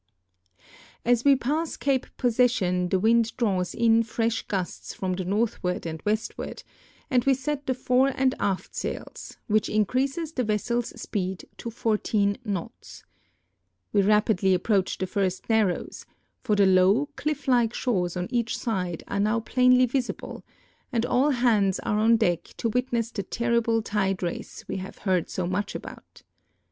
As we pass Cape Possession the wind draws in fresh gusts from the northward and westward, and we set the fore and aft sails, whicli increases the vessel's speed to 14 knots. \\'e rap idly approach the first narrows, for the low, cliflf like shores on each side are now plainly visible, and all hands are on deck to witness the terrific tide race we have heard so much about.